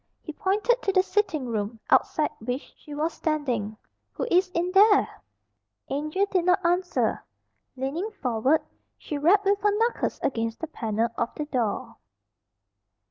He pointed to the sitting room, outside which she was standing. "Who is in there?" Angel did not answer. Leaning forward, she rapped with her knuckles against the panel of the door.